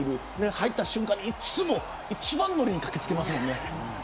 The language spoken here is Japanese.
入った瞬間にいつも一番乗りで駆け付けますよね。